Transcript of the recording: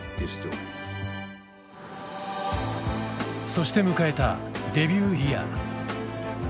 そして迎えたデビューイヤー。